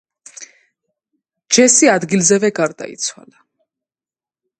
ჯესი ადგილზევე გარდაიცვალა.